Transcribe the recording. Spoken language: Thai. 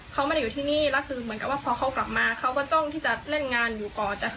ด้วยคำที่หยาบคายและทำร้ายร่างกายตามที่เห็นในคลิป